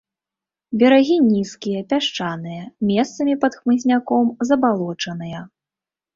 Берагі нізкія, пясчаныя, месцамі пад хмызняком, забалочаныя.